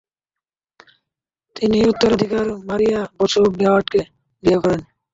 তিনি উত্তরাধিকারী Maria Bosch বেয়ার্ডকে বিয়ে করেন।